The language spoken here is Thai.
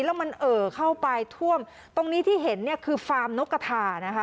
แล้วมันเอ่อเข้าไปท่วมตรงนี้ที่เห็นเนี่ยคือฟาร์มนกกระทานะคะ